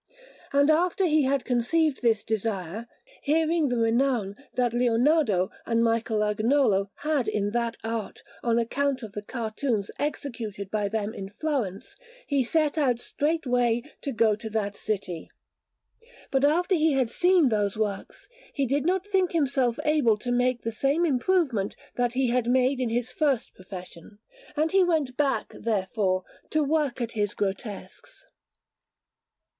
And after he had conceived this desire, hearing the renown that Leonardo and Michelagnolo had in that art on account of the cartoons executed by them in Florence, he set out straightway to go to that city. But, after he had seen those works, he did not think himself able to make the same improvement that he had made in his first profession, and he went back, therefore, to work at his grotesques.